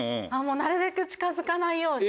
なるべく近づかないように。